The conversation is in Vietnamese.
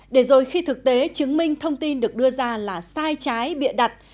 để rồi khi thực tế chứng minh thông tin được đưa ra là sai trái bịa đặt